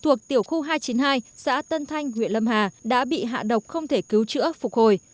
thuộc tiểu khu hai trăm chín mươi hai xã tân thanh huyện lâm hà đã bị hạ độc không thể cứu chữa phục hồi